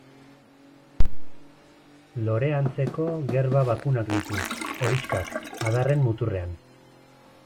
Lore antzeko gerba bakunak ditu, horixkak, adarren muturrean.